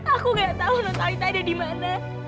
aku gak tahu notalita ada di mana